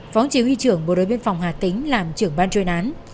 phó chỉ huy trưởng bộ đội biên phòng hà tĩnh làm trưởng ban chuyên án